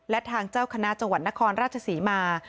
และทางเจ้าคณะจังหวัดนครราชศรีมา